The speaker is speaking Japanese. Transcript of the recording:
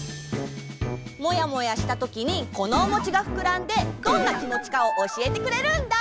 モヤモヤしたときにこのおもちがふくらんでどんなきもちかをおしえてくれるんだ！